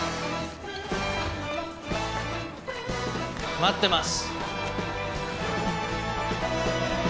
待ってます。